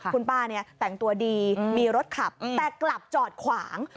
คุณป้าเนี่ยแต่งตัวดีมีรถขับแต่กลับจอดขวาง